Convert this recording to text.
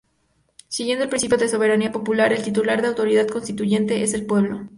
Siguiendo el principio de soberanía popular, el titular del autoridad constituyente es el pueblo.